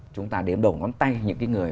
chúng ta đếm đầu ngắm tay những cái người